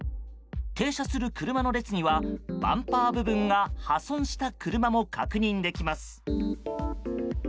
停車する車の列にはバンパー部分が破損した車も確認できます。